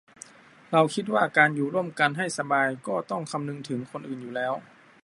เราคิดว่าการอยู่ร่วมกันให้สบายก็ต้องคำนึงถึงคนอื่นอยู่แล้ว